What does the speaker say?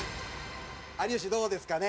有吉どうですかね？